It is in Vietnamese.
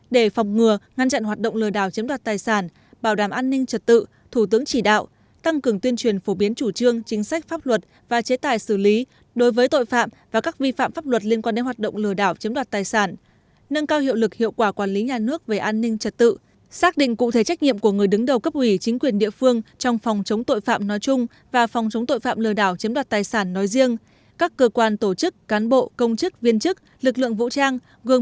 để phòng ngừa ngăn chặn hoạt động lừa đảo chiếm đoạt tài sản bảo đảm an ninh trật tự thủ tướng chỉ đạo tăng cường tuyên truyền phổ biến chủ trương chính sách pháp luật và chế tài xử lý đối với tội phạm và các vi phạm pháp luật liên quan đến hoạt động lừa đảo chiếm đoạt tài sản nâng cao hiệu lực hiệu quả quản lý nhà nước về an ninh trật tự xác định cụ thể trách nhiệm của người đứng đầu cấp ủy chính quyền địa phương trong phòng chống tội phạm nói chung và phòng chống tội phạm lừa đảo chiếm đoạt tài sản